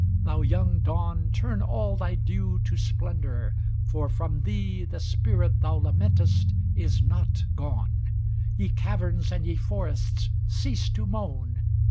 ŌĆö Thou young Dawn, Turn all thy dew to splendor, for from thee The spirit thou lamentest is not gone; Ye cavern sand ye forests, cease to moan